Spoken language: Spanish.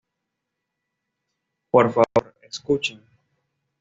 ¡ por favor! ¡ escuchen!